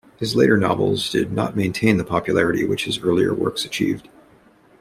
His later novels did not maintain the popularity which his earlier works achieved.